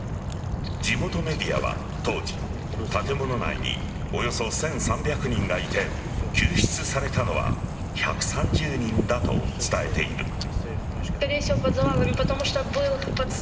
地元メディアは当時、建物内におよそ１３００人がいて救出されたのは１３０人だと伝えている。